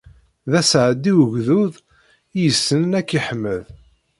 D aseɛdi ugdud i yessnen ad k-iḥmed.